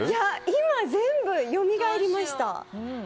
今、全部よみがえりました。